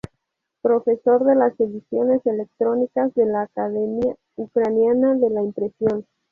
Profesor de las ediciones electrónicas de la Academia Ucraniana de la impresión.